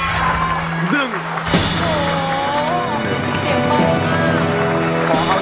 โอ้โหเสียงมากมาก